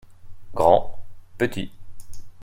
Grand / Petit.